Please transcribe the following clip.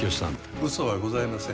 うそはございません。